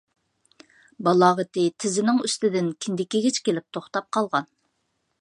بالاغىتى تىزىنىڭ ئۈستىدىن كىندىكىگىچە كېلىپ توختاپ قالغان.